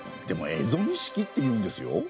でも蝦夷錦っていうんですよ。